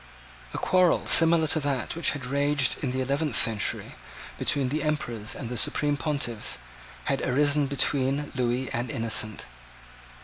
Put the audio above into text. A quarrel similar to that which had raged in the eleventh century between the Emperors and the Supreme Pontiffs had arisen between Lewis and Innocent.